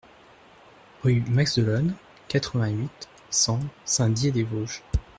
Rue Max D'Ollone, quatre-vingt-huit, cent Saint-Dié-des-Vosges